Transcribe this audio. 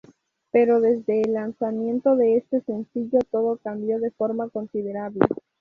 Pero desde el lanzamiento de este sencillo todo cambió de forma considerable.